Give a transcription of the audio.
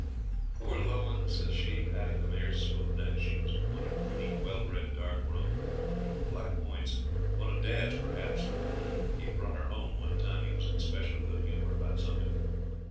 'Poor Lowan,' says she, patting the mare's smooth neck (she was a wonderful neat, well bred, dark roan, with black points one of dad's, perhaps, that he'd brought her home one time he was in special good humour about something.